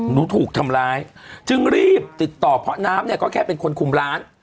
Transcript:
หนูถูกทำร้ายจึงรีบติดต่อเพราะน้ำเนี่ยก็แค่เป็นคนคุมร้าน